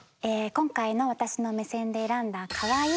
今回の私の目線で選んだ「かわいい」。